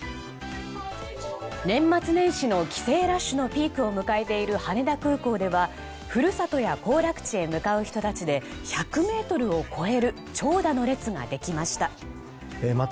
年末年始の帰省ラッシュのピークを迎えている羽田空港では故郷や行楽地へ向かう人たちで１００ｍを超える長蛇の列ができました。